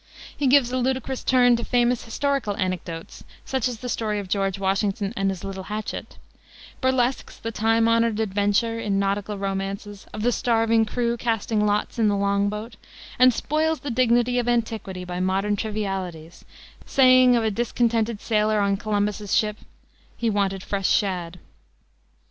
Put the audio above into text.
He gives a ludicrous turn to famous historical anecdotes, such as the story of George Washington and his little hatchet; burlesques the time honored adventure, in nautical romances, of the starving crew casting lots in the long boat, and spoils the dignity of antiquity by modern trivialities, saying of a discontented sailor on Columbus's ship, "He wanted fresh shad."